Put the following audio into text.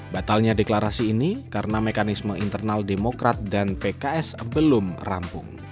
batalnya deklarasi ini karena mekanisme internal demokrat dan pks belum rampung